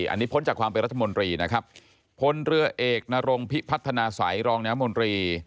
อันนี้พ้นจากความเป็นรัฐมนตรีนะครับพลเรือเอกนรงพิพัฒนาสัยรองน้ำมนตรี